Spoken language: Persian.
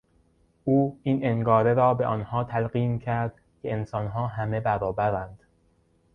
او این انگاره را به آنها تلقین کرد که انسانها همه برابرند.